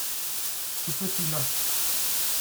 ce petit-là.